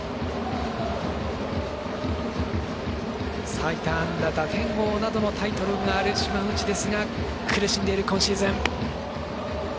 最多安打、打点王などのタイトルがある島内ですが苦しんでいる今シーズン。